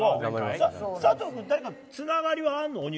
佐藤君ってつながりあるの？